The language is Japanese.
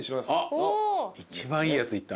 あっ一番いいやついった。